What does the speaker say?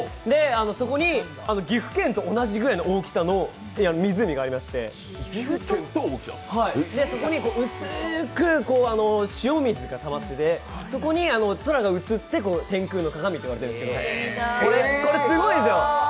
そこに岐阜県と同じくらいの大きさの湖がありまして、そこに薄く塩水がたまっててそこに空が映って天空の鏡と言われているんですけどこれ、すごいんですよ。